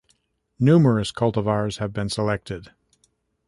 Numerous cultivars have been selected.